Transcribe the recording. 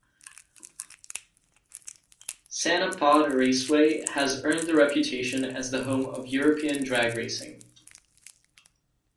Santa Pod Raceway has earned the reputation as the home of European drag racing.